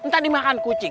ntar dimakan kucing